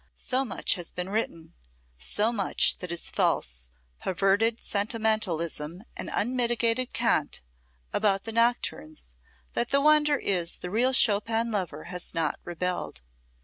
So much has been written, so much that is false, perverted sentimentalism and unmitigated cant about the nocturnes, that the wonder is the real Chopin lover has not rebelled.